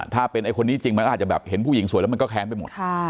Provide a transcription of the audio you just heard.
ถ้าเป็นไอ้คนนี้จริงมันก็อาจจะแบบเห็นผู้หญิงสวยแล้วมันก็แค้นไปหมด